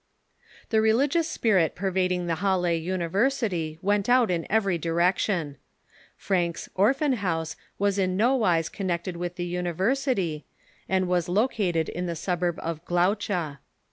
The religious spirit pervading the Ilalle University went out in every direction. Francke's Orphan house was in no wise connected with the university, and was lo M„Ho"^Mc°J„ c t'ated in the suburb of Glaucha.